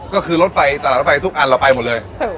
ก็คือรถไฟตลาดรถไฟทุกอันเราไปหมดเลย